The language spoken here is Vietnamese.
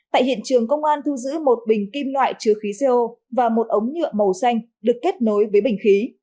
tại hiện trường công an thu giữ một bình kim loại chứa khí co và một ống nhựa màu xanh được kết nối với bình khí